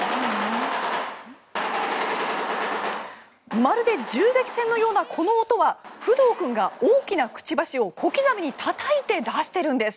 まるで銃撃戦のようなこの音はフドウ君が大きなくちばしを小刻みにたたいて出しているんです。